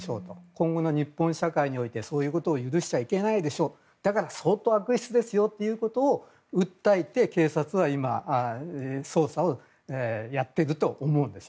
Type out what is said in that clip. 今後の日本社会においてそういうことを許しちゃいけないでしょうだから、相当悪質ですよということを訴えて警察は今、捜査をやっていると思うんです。